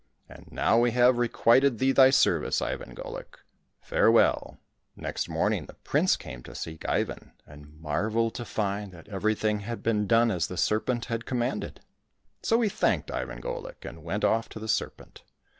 And now we have requited thee thy service, Ivan Golik, farewell !" Next morning the prince came to seek Ivan, and marvelled to find that everything had been done as the sc'pent had commanded. So he thanked Ivan Golik, and went off to the serpent.